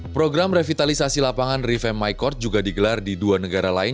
program revitalisasi lapangan revamp my court juga digelar di dua negara lain